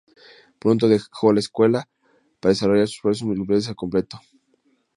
Pronto deja la escuela para desarrollar sus esfuerzos musicales a tiempo completo.